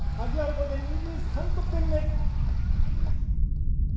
これで２３得点目！